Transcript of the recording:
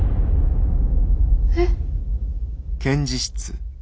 えっ。